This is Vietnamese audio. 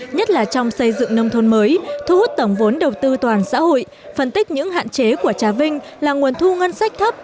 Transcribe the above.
nhất là trong xây dựng nông thôn mới thu hút tổng vốn đầu tư toàn xã hội phân tích những hạn chế của trà vinh là nguồn thu ngân sách thấp